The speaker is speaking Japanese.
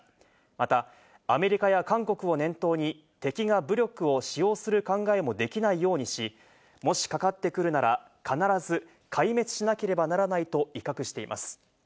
また、アメリカや韓国を念頭に敵が武力を使用する考えもできないようにし、もしかかってくるなら、必ず壊滅しなければならないと威嚇しています。